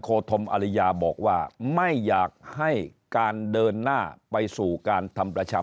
ธมอริยาบอกว่าไม่อยากให้การเดินหน้าไปสู่การทำประชา